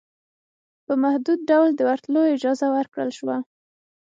په محدود ډول دورتلو اجازه ورکړل شوه